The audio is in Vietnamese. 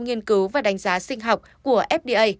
nghiên cứu và đánh giá sinh học của fda